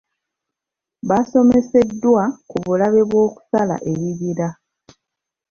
Baasomeseddwa ku bulabe bw'okusala ebibira.